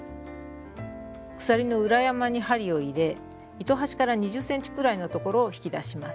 鎖の裏山に針を入れ糸端から２０ｃｍくらいのところを引き出します。